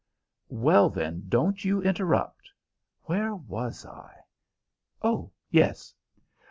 "Well, then, don't you interrupt. Where was I? Oh yes."